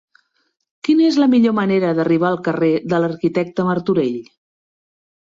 Quina és la millor manera d'arribar al carrer de l'Arquitecte Martorell?